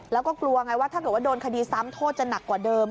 แล้วก็กลัวไงว่าถ้าเกิดว่าโดนคดีซ้ำโทษจะหนักกว่าเดิม